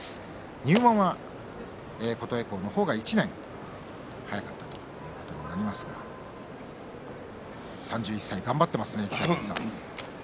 入門は琴恵光の方が１年早かったということになりますが３１歳、頑張っていますね。